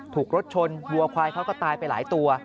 ถูกรถชนวัวควายเขาก็ตายไปหลายตัว